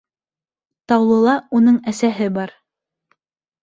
Таулыла уның әсәһе бар.